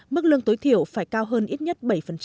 mức lương tối thiểu phải cao hơn ít nhất bảy